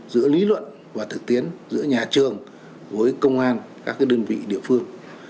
giữa lý luận và thực tiễn giữa nhà trường với công an các đơn vị địa phương